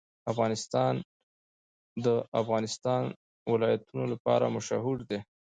افغانستان د د افغانستان ولايتونه لپاره مشهور دی.